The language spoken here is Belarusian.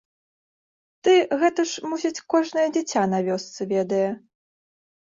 Ды гэта ж, мусіць, кожнае дзіця на вёсцы ведае.